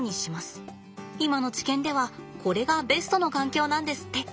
今の知見ではこれがベストの環境なんですって。